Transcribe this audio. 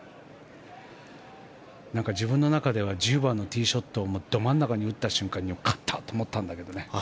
自分の中では１０番のティーショットをど真ん中に打った瞬間に勝ったと思ったんだけどね。